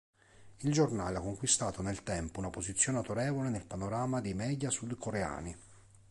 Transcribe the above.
Il giornale ha conquistato nel tempo una posizione autorevole nel panorama dei "media" sudcoreani.